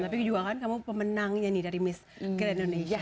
tapi juga kan kamu pemenangnya nih dari miss grand indonesia